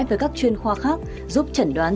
với các chuyên khoa khác giúp chẩn đoán